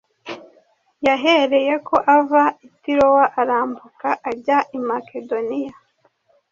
Yahereye ko ava i Tirowa arambuka ajya i Makedoniya,